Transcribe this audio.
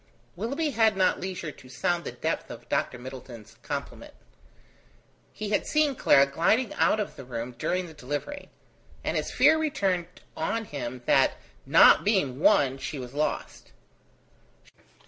Willoughby had not leisure to sound the depth of Dr. Middleton's compliment. He had seen Clara gliding out of the room during the delivery; and his fear returned on him that, not being won, she was lost.